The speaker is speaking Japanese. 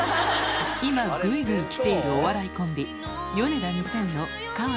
今グイグイ来ているお笑いコンビ